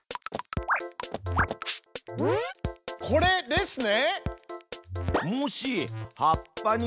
これですね。